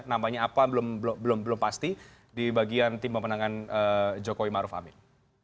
namanya apa belum pasti di bagian tim pemenangan jokowi maruf amin